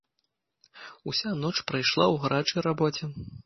Уся ноч прайшла ў гарачай рабоце.